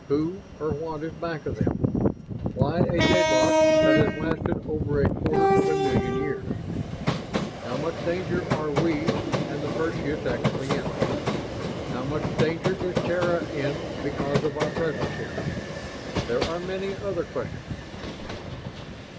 Who or what is back of them? Why a deadlock that has lasted over a quarter of a million years? How much danger are we and the Perseus actually in? How much danger is Terra in, because of our presence here? There are many other questions."